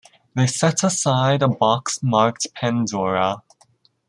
They set aside a box marked "Pandora".